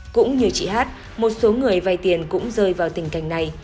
cũng như chị hát một số người vay tiền cũng rơi vào tình cảnh này